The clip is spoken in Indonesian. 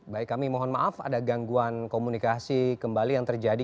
baik kami mohon maaf ada gangguan komunikasi kembali yang terjadi